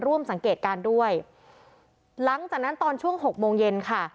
ร่วมสังเกตการณ์ด้วยหลังจากนั้นตอนช่วงหกโมงเย็นค่ะ